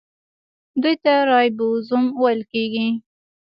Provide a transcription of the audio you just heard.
دوی ته رایبوزوم ویل کیږي.